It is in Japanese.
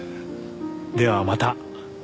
ではまた。